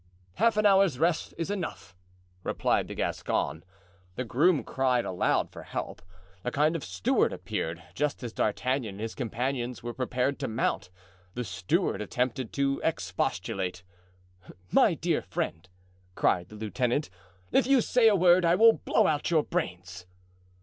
"Half an hour's rest is enough," replied the Gascon. The groom cried aloud for help. A kind of steward appeared, just as D'Artagnan and his companions were prepared to mount. The steward attempted to expostulate. "My dear friend," cried the lieutenant, "if you say a word I will blow out your brains."